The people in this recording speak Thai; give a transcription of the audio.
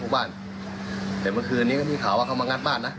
ภูมิบ้านเดี๋ยวเมื่อคืนนี้ก็มีข่าวว่าเขามังงัดบ้านนะอ๋อ